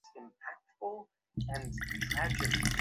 আমার এখানে থাকাটা সম্ভবত ঠিক হচ্ছে না।